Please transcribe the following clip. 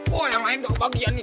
wah yang lain gak kebagian nih